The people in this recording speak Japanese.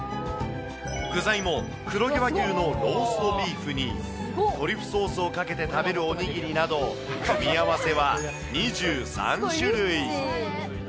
具材も、黒毛和牛のローストビーフに、トリュフソースをかけて食べるおにぎりなど、組み合わせは２３種類。